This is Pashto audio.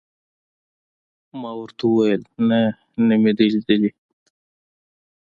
ما ورته وویل: نه، نه مې دي لیدلي.